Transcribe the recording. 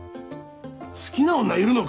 好きな女いるのか！？